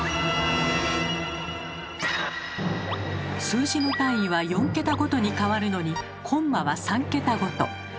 数字の単位は４桁ごとに変わるのにコンマは３桁ごと。